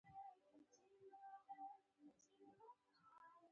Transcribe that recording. غریب له مینې ژوند غواړي